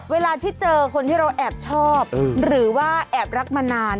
เวลาที่เจอคนที่เราแอบชอบหรือว่าแอบรักมานาน